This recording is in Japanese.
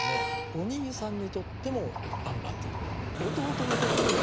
お兄さんにとっても万々歳弟にとってもね